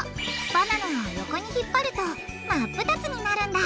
バナナは横にひっぱると真っ二つになるんだ！